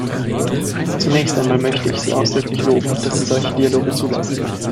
Zunächst einmal möchte ich Sie ausdrücklich loben, dass Sie solche Dialoge zulassen.